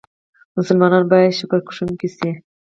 مسلمانان بايد شکرکښونکي سي.